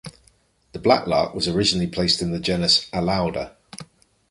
The black lark was originally placed in the genus "Alauda".